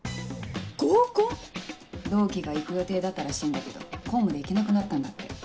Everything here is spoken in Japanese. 合コン⁉同期が行く予定だったらしいんだけど公務で行けなくなったんだって。